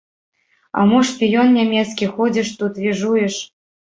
А мо шпіён нямецкі, ходзіш тут, віжуеш!